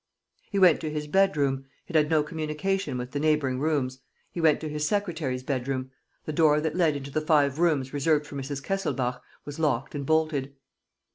He went to his bedroom: it had no communication with the neighboring rooms. He went to his secretary's bedroom: the door that led into the five rooms reserved for Mrs. Kesselbach was locked and bolted.